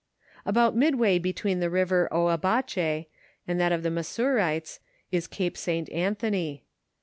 About midway between the river Oiiabache and that of the Massourites is Cape St. Anthony.